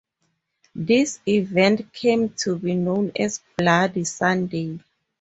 This event came to be known as Bloody Sunday.